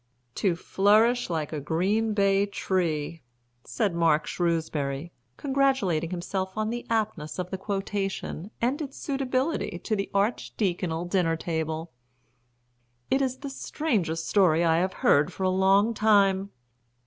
"To flourish like a green bay tree," said Mark Shrewsbury, congratulating himself on the aptness of the quotation, and its suitability to the Archediaconal dinner table. "It is the strangest story I have heard for a long time."